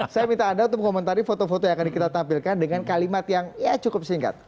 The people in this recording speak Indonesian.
saya minta anda untuk mengomentari foto foto yang akan kita tampilkan dengan kalimat yang ya cukup singkat